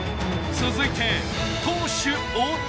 続いて投手大谷。